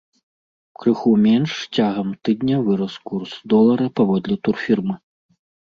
Крыху менш цягам тыдня вырас курс долара паводле турфірм.